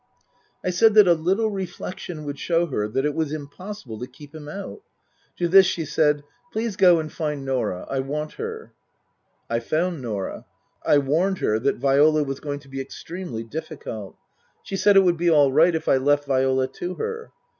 I said that a little reflection would show her that it was impossible to keep him out. To this she said, " Please go and find Norah. I want her." I found Norah. I warned her that Viola was going to be extremely difficult. She said it would be all right if I left Viola to her.